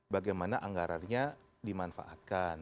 bagaimana anggarannya dimanfaatkan